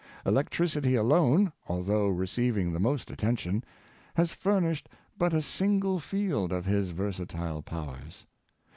Elec tricity alone, although receiving the most attention, has furnished but a single field for his versatile powers.